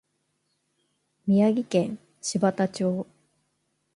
宮城県柴田町